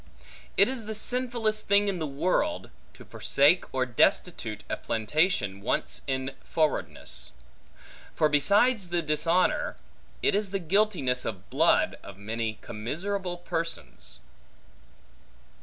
It is the sinfullest thing in the world, to forsake or destitute a plantation once in forwardness; for besides the dishonor, it is the guiltiness of blood of many commiserable persons.